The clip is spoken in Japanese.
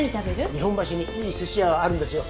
日本橋にいいすし屋があるんですよ。